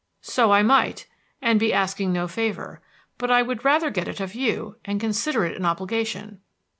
"So I might, and be asking no favor; but I would rather get it of you, and consider it an obligation."